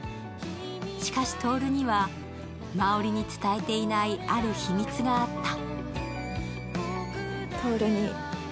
しかし透には、真織に伝えていないある秘密があった。